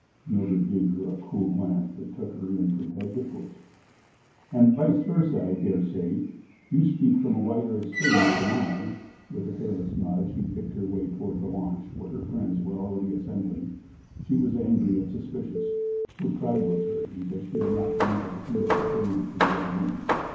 Mildred gave her a cool glance that took her in from head to foot. "And vice versa, I dare say. You speak from a wider experience than I." With a careless nod she picked her way toward the launch, where her friends were already assembling. She was angry and suspicious. Her pride was hurt because she had not been able to feel superior to the other woman.